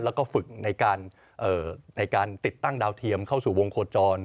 แล้วก็ฝึกในการติดตั้งดาวเทียมเข้าสู่วงโคจร